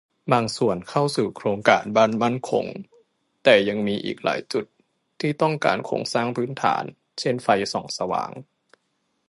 บางส่วนเข้าสู่โครงการบ้านมั่นคง แต่ยังมีอีกหลายจุดที่ต้องการโครงสร้างพื้นฐานเช่น ไฟส่องสว่าง